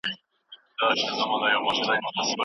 که ټولګی وي نو جهل نه پاتیږي.